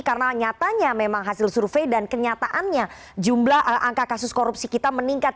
karena nyatanya memang hasil survei dan kenyataannya jumlah angka kasus korupsi kita meningkat